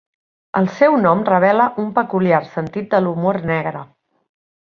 El seu nom revela un peculiar sentit de l'humor negre.